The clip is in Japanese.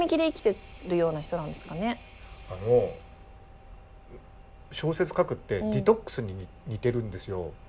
あの小説書くってディトックスに似てるんですよ。